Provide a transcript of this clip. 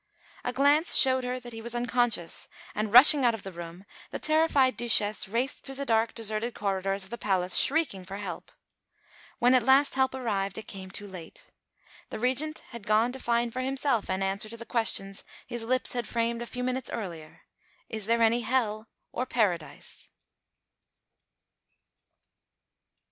A glance showed her that he was unconscious; and, rushing out of the room, the terrified Duchesse raced through the dark, deserted corridors of the palace shrieking for help. When at last help arrived, it came too late. The Regent had gone to find for himself an answer to the question his lips had framed a few minutes earlier "is there any hell or Paradise?"